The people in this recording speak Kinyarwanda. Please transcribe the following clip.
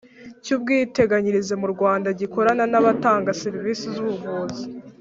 Cy ubwiteganyirize mu rwanda gikorana n abatanga serivisi z ubuvuzi